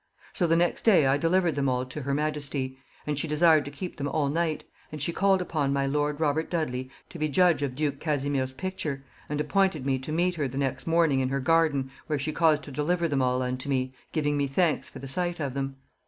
So the next day I delivered them all to her majesty, and she desired to keep them all night; and she called upon my lord Robert Dudley to be judge of duke Casimir's picture, and appointed me to meet her the next morning in her garden, where she caused to deliver them all unto me, giving me thanks for the sight of them.